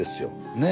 ねえ？